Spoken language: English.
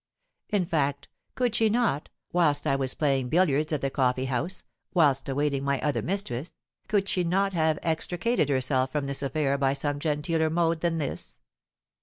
In fact, could she not, whilst I was playing billiards at the coffee house, whilst awaiting my other mistress, could she not have extricated herself from this affair by some genteeler mode than this?